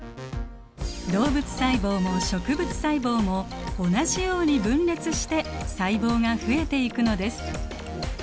動物細胞も植物細胞も同じように分裂して細胞が増えていくのです。